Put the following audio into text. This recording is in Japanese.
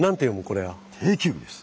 これは。定休日です。